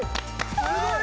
すごい。